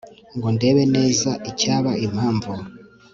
Ngo ndebe neza icyaba impamvu